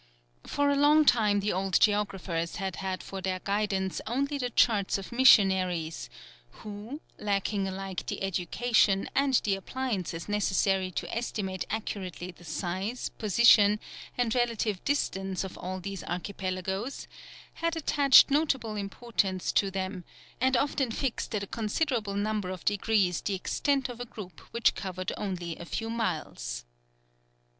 For a long time the old geographers had had for their guidance only the charts of missionaries who, lacking alike the education and the appliances necessary to estimate accurately the size, position, and relative distance of all these archipelagoes, had attached notable importance to them, and often fixed at a considerable number of degrees the extent of a group which covered only a few miles.